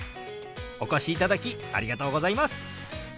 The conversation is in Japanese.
お越しいただきありがとうございます！